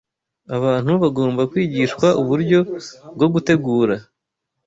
Abantu bagomba kwigishwa uburyo bwo gutegura